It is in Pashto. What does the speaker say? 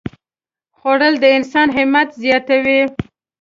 خوړل د انسان همت زیاتوي